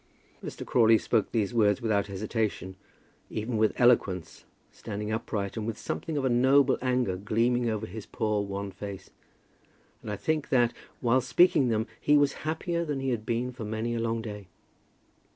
Mr. Crawley spoke these words without hesitation, even with eloquence, standing upright, and with something of a noble anger gleaming over his poor wan face; and, I think, that while speaking them, he was happier than he had been for many a long day.